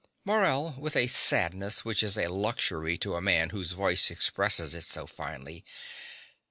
MORELL (with a sadness which is a luxury to a man whose voice expresses it so finely).